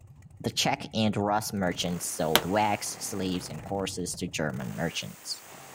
The Czech and Rus merchants sold wax, slaves, and horses to German merchants.